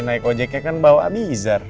naik ojeknya kan bawa abizar